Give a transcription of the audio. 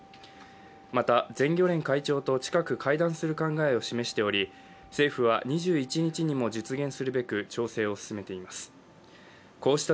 また、全漁連会長と近く会談する考えを示しており政府は２１日にも実現するべく調整を進めています。